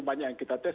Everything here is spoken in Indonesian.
banyak yang kita tes